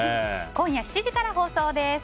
今夜７時から放送です。